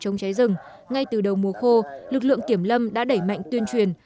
chống cháy rừng ngay từ đầu mùa khô lực lượng kiểm lâm đã đẩy mạnh tuyên truyền